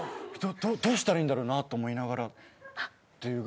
どうしたらいいんだろうなと思いながらっていうぐらい。